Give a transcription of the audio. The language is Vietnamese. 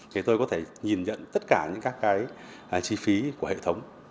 thì tôi có thể nhìn nhận tất cả những các cái chi phí của hệ thống